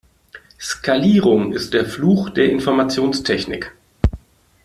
Skalierung ist der Fluch der Informationstechnik.